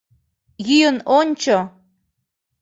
Йӱын ончо.